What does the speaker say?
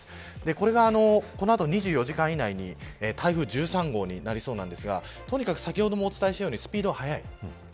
これが、この後２４時間以内に台風１３号になりそうなんですがとにかく先ほどもお伝えしたようにスピードが速い。